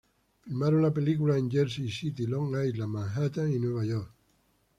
Filmaron la película en Jersey City, Long Island, Manhattan y Nueva York.